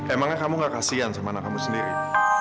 emangnya kamu gak kasian sama anak kamu sendiri